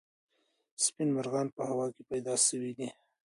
سپین مرغان په هوا کې پیدا سوي دي.